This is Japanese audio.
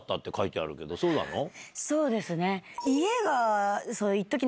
そうですね。